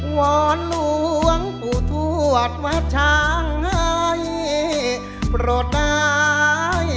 หวอนหลวงปู่ทวดวชาย